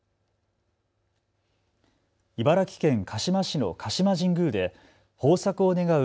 茨城県鹿嶋市の鹿島神宮で豊作を願う